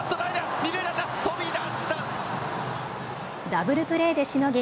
ダブルプレーでしのぎ